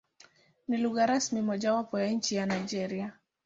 Ni lugha rasmi mojawapo ya nchi ya Nigeria.